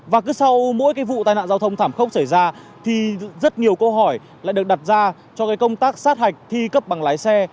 và cứ sau mỗi cái vụ tai nạn giao thông thảm khốc xảy ra thì rất nhiều câu hỏi lại được đặt ra cho cái công tác sát hạch thi cấp bằng lái xe